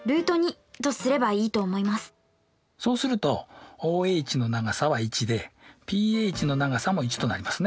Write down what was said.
そうするとＯＨの長さは１でＰＨの長さも１となりますね。